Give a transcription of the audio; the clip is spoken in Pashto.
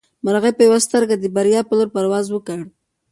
مرغۍ په یوه سترګه د بریا په لور پرواز وکړ.